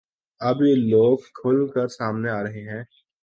اب یہ لوگ کھل کر سامنے آ رہے ہیں